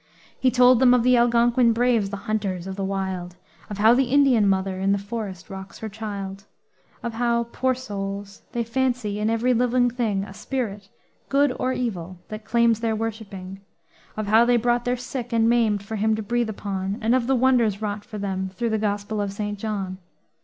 He told them of the Algonquin braves the hunters of the wild; Of how the Indian mother in the forest rocks her child; Of how, poor souls, they fancy in every living thing A spirit good or evil, that claims their worshipping; Of how they brought their sick and maimed for him to breathe upon; And of the wonders wrought for them, thro' the Gospel of St. John.